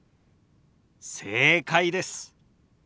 正解です。